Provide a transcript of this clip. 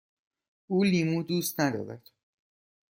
او لیمو دوست ندارد.